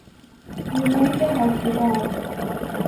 W'ineke haki raw'o.